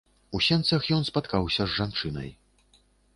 У сенцах ён спаткаўся з жанчынай.